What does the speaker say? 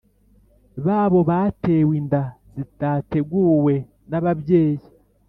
babo batewe inda zidateguwe nababyeyi